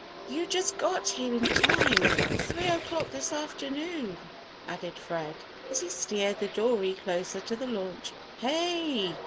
"You just got here in time: three o'clock this afternoon," added Fred, as he steered the dory closer to the launch. "Hey!